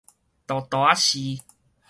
沓沓仔是